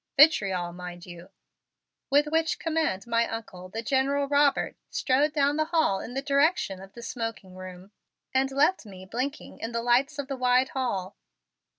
Vitriol, mind you!" With which command my Uncle, the General Robert, strode down the hall in the direction of the smoking room and left me blinking in the lights of the wide hall.